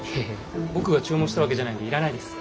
僕が注文したわけじゃないんでいらないです。